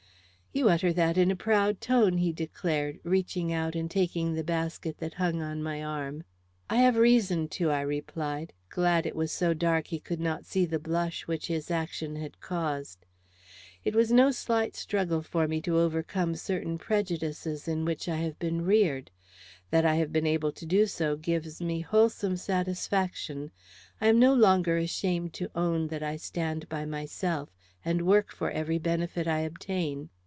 "You utter that in a proud tone," he declared, reaching out and taking the basket that hung on my arm. "I have reason to," I replied, glad it was so dark he could not see the blush which his action had caused. "It was no slight struggle for me to overcome certain prejudices in which I have been reared. That I have been able to do so gives me wholesome satisfaction. I am no longer ashamed to own that I stand by myself, and work for every benefit I obtain."